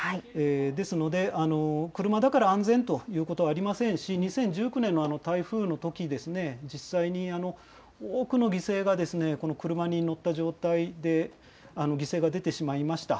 ですので、車だから安全ということはありませんし、２０１９年の台風のときですね、実際に多くの犠牲が、この車に乗った状態で犠牲が出てしまいました。